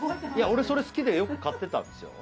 俺それ好きでよく買ってたんですよ